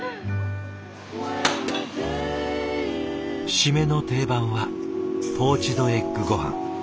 締めの定番はポーチドエッグごはん。